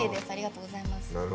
ありがとうございます。